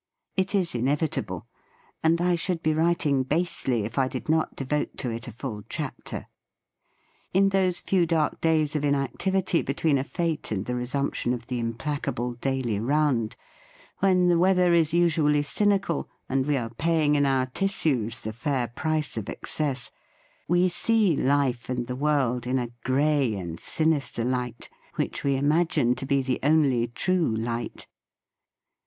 It is inevitable; and I should be writing basely if I did not devote to it a full chapter. In those few dark days of in activity, between a fete and the resump tion of the implacable daily round, when the weather is usually cynical, and we are paying in our tissues the fair price of excess, we see life and the world in a grey and sinister light, which we imag ine to be the only true light.